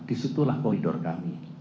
disitulah koridor kami